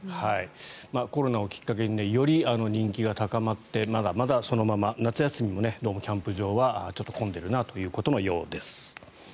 コロナをきっかけにより人気が高まってまだまだ、そのまま夏休みもキャンプ場はちょっと混んでるなということのようです。